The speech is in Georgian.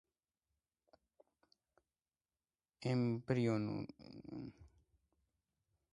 ემბრიონული განვითარება ხშირად მეტამორფოზით მიმდინარეობს.